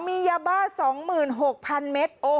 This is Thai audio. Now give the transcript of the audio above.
มียาบ้า๒๖๐๐๐เมตร